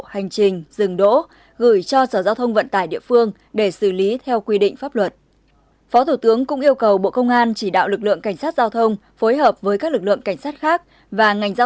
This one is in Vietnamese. hãy đăng ký kênh để ủng hộ kênh của mình nhé